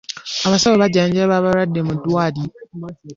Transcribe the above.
Abasawo bajjanjaba abalwadde mu ddwaliro.